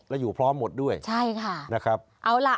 และอยู่พร้อมหมดด้วยนะครับใช่ค่ะเอาล่ะ